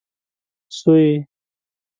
سويي